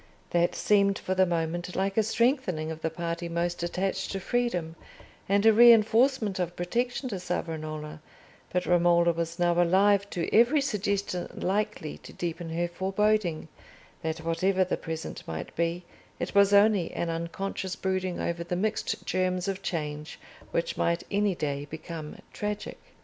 That seemed for the moment like a strengthening of the party most attached to freedom, and a reinforcement of protection to Savonarola; but Romola was now alive to every suggestion likely to deepen her foreboding, that whatever the present might be, it was only an unconscious brooding over the mixed germs of Change which might any day become tragic.